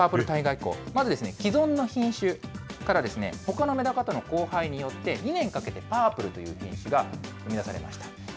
ブラックパープル体外光、既存の品種からほかのメダカとの交配によって、２年かけてパープルという品種が生み出されました。